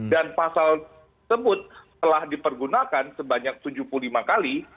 dan pasal tersebut telah dipergunakan sebanyak tujuh puluh lima kali